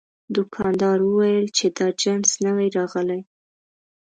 دوکاندار وویل چې دا جنس نوی راغلی.